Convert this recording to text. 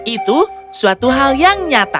itu suatu hal yang nyata